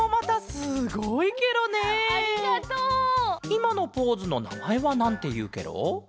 いまのポーズのなまえはなんていうケロ？